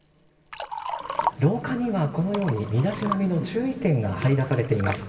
廊下にはこのように身だしなみのルールが貼り出されています。